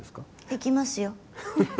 行きますよ。